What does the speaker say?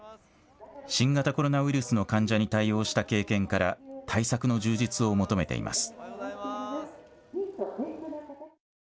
新型コロナウイルスの患者に対応した経験から対策の充実を求めています。